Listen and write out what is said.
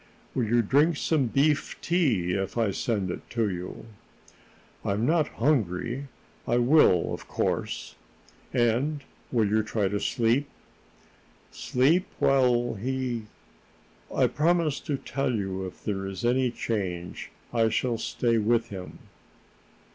"Will you drink some beef tea if I send it to you?" "I'm not hungry. I will, of course." "And will you try to sleep?" "Sleep, while he " "I promise to tell you if there is any change. I shall stay with him."